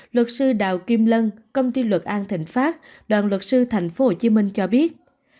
luật sư đào kim lân công ty luật an thịnh pháp đoàn luật sư tp hcm cho biết